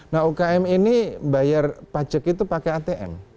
nah ukm ini bayar pajak itu pakai atm